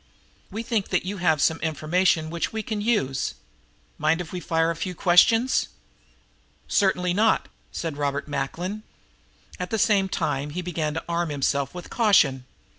We think that you have some information which we can use. Mind if we fire a few questions?" "Certainly not," said Robert Macklin. At the same time he began to arm himself with caution.